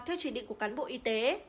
theo chỉ định của cán bộ y tế